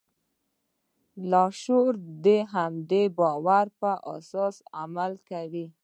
لاشعور د همدې باور پر اساس عمل کوي